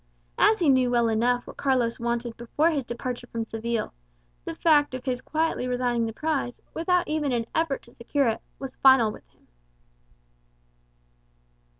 As he knew well enough what Carlos wanted before his departure from Seville, the fact of his quietly resigning the prize, without even an effort to secure it, was final with him.